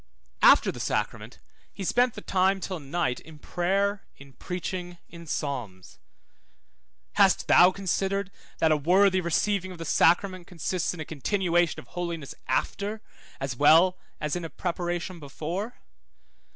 After the sacrament he spent the time till night in prayer, in preaching, in psalms: hast thou considered that a worthy receiving of the sacrament consists in a continuation of holiness after, as well as in a preparation before?